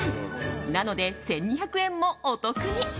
なので１２００円もお得に。